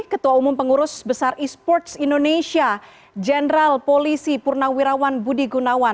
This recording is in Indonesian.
ketua umum pengurus besar esports indonesia general polisi purnawirawan budi gunawan